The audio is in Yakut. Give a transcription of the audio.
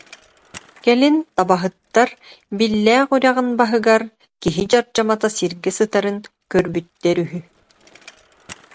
Кэлин табаһыттар Биллээх үрэҕин баһыгар киһи дьардьамата сиргэ сытарын көрбүттэр үһү